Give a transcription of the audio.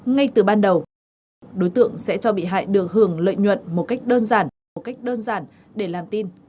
ngay từ ban đầu đối tượng sẽ cho bị hại được hưởng lợi nhuận một cách đơn giản để làm tin